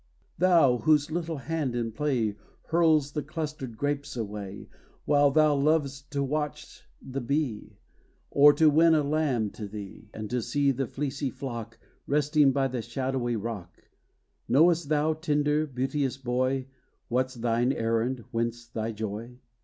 Thou, whose little hand in play Hurls the clustered grapes away; While thou lov'st to watch the bee, Or to win a lamb to thee, And to see the fleecy flock Resting by the shadowy rock, Know'st thou, tender, beauteous boy, What 's thine errand whence thy joy?